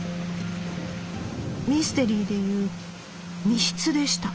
ミステリーでいう密室でした』」。